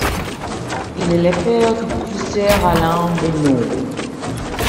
Il est le père du professeur Alain Venot.